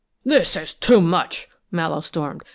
"This is too much!" Mallowe stormed.